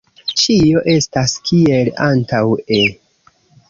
Ĉio estis kiel antaŭe.